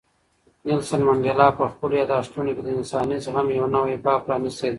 نیلسن منډېلا په خپلو یادښتونو کې د انساني زغم یو نوی باب پرانیستی دی.